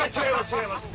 違います